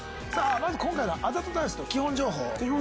まず今回のあざと男子の基本情報を。